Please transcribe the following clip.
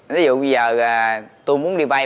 thí dụ bây giờ tôi muốn đi vay